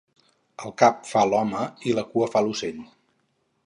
El cap fa l'home i la cua fa l'ocell.